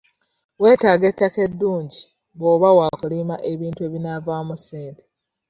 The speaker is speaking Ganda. Weetaaga ettaka eddungi bw'oba waakulima ebintu ebinaavaamu ssente.